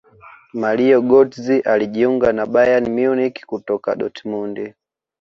mario gotze alijiunga na bayern munich kutoka dortmund